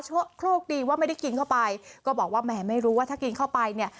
โชคดีว่าไม่ได้กินเข้าไปก็บอกว่าแหมไม่รู้ว่าถ้ากินเข้าไปเนี่ย